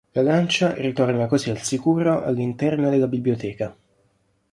La lancia ritorna così al sicuro all'interno della biblioteca.